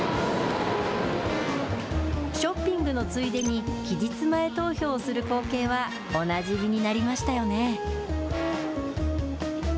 ショッピングのついでに、期日前投票をする光景はおなじみになりましたよね。